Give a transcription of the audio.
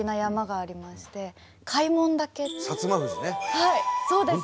はいそうです！